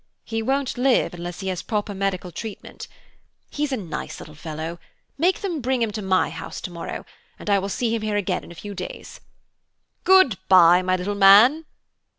He won't live unless he has proper medical treatment. He's a nice little fellow; make them bring him to my house to morrow, and I will see him here again in a few days. Good bye, my little man."